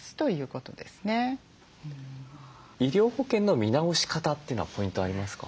医療保険の見直し方というのはポイントありますか？